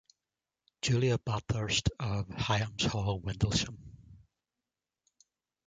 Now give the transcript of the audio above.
Julia Bathurst of Hyams Hall, Windlesham.